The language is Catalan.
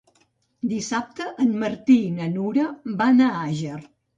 Dissabte en Martí i na Nura van a Àger.